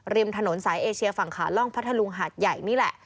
ริมถนนสายเอเชียฝั่งขาล่องพัทธลุงหาดใหญ่นี่แหละ